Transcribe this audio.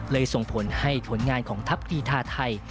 ส่งผลให้ผลงานของทัพกีธาไทย